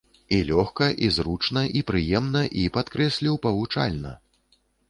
І лёгка, і зручна, і прыемна, і, падкрэслю, павучальна.